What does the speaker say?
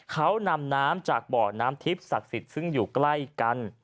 เขานำน้ำจากบ่อน้ำทิพย์ศักดิ์สิทธิ์ซึ่งอยู่ใกล้กัน